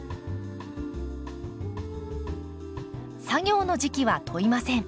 作業の時期は問いません。